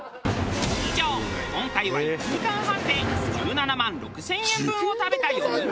以上今回は１時間半で１７万６０００円分を食べた４人でした。